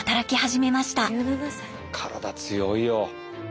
体強いよ。